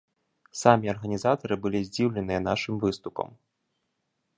Самі арганізатары былі здзіўленыя нашым выступам.